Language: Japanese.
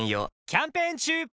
キャンペーン中！